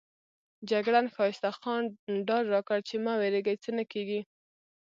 جګړن ښایسته خان ډاډ راکړ چې مه وېرېږئ څه نه کېږي.